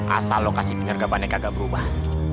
asal lo kasih penerga bandek agak berubah